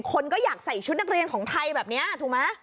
คนก็อยากใส่ชุดนักเรียนของไทยแบบนี้ถูกไหม